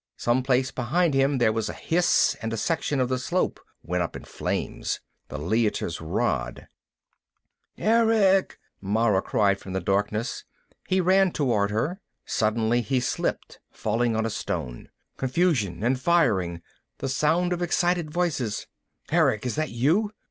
Someplace behind him there was a hiss, and a section of the slope went up in flames. The Leiter's rod "Erick," Mara cried from the darkness. He ran toward her. Suddenly he slipped, falling on a stone. Confusion and firing. The sound of excited voices. "Erick, is that you?"